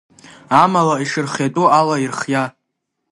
Амала ишырхиатәу ала ирхиа…